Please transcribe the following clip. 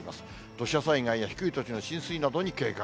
土砂災害や低い土地の浸水などに警戒。